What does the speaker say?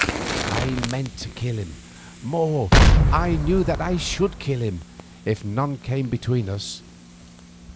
I meant to kill him—more, I knew that I should kill him if none came between us.